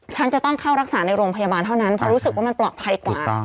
ฉันจะต้องเข้ารักษาในโรงพยาบาลเท่านั้นเพราะรู้สึกว่ามันปลอดภัยกว่า